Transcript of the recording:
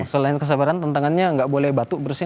selain kesabaran tentangannya gak boleh batu bersin